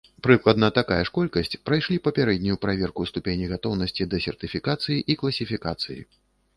Прыкладна такая ж колькасць прайшлі папярэднюю праверку ступені гатоўнасці да сертыфікацыі і класіфікацыі.